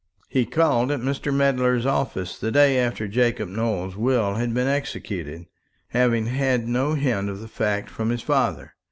He called at Mr. Medler's office the day after Jacob Nowell's will had been executed, having had no hint of the fact from his father.